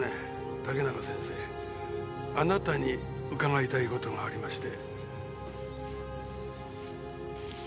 竹中先生あなたに伺いたい事がありまして。